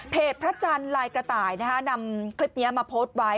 พระจันทร์ลายกระต่ายนำคลิปนี้มาโพสต์ไว้